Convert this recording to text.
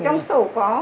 ở trong sổ có